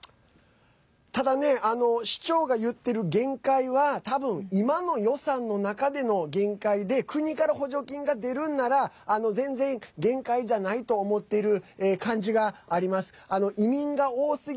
ただ、市長が言っている限界は多分、今の予算の中での限界で国から補助金が出るんなら全然、限界じゃないと思っている感じがあります。